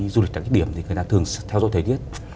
du lịch đặc điểm thì người ta thường theo dõi thời tiết